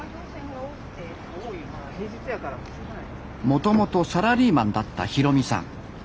もともとサラリーマンだった弘巳さん。